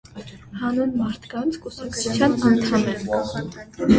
«Հանուն մարդկանց» կուսակցության անդամ է։